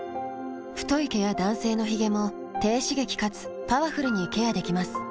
太い毛や男性のヒゲも低刺激かつパワフルにケアできます。